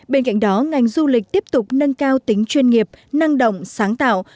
bên cạnh đó ngành du lịch tiếp tục nâng cao tính chuyên nghiệp năng động sáng tạo